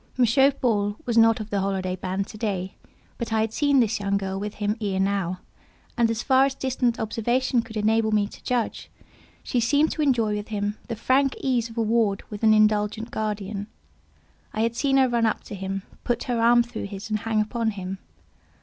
M. Paul was not of the holiday band to day, but I had seen this young girl with him ere now, and as far as distant observation could enable me to judge, she seemed to enjoy him with the frank ease of a ward with an indulgent guardian. I had seen her run up to him, put her arm through his, and hang upon him.